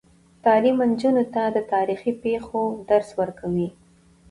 تعلیم نجونو ته د تاریخي پیښو درس ورکوي.